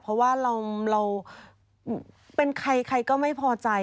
เพราะว่าเป็นใครก็ไม่พอใจ